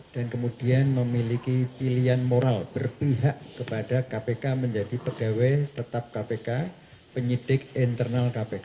dan kemudian memiliki pilihan moral berpihak kepada kpk menjadi pegawai tetap kpk penyitik internal kpk